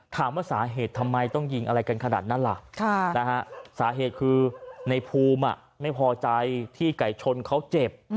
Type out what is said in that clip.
ถามว่าสาเหตุทำไมต้องยิงอะไรกันขนาดนั้นล่ะสาเหตุคือในภูมิไม่พอใจที่ไก่ชนเขาเจ็บ